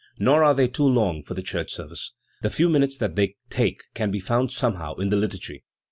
Nor are they too long for the church service. The few minutes that they take can be found somehow in the liturgy.